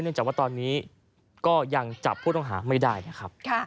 จากว่าตอนนี้ก็ยังจับผู้ต้องหาไม่ได้นะครับ